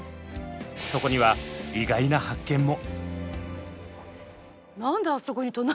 そこには意外な発見も！